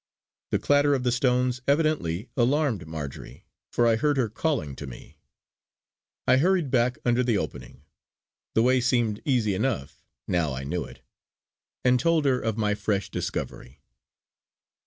The clatter of the stones evidently alarmed Marjory for I heard her calling to me. I hurried back under the opening the way seemed easy enough now I knew it and told her of my fresh discovery.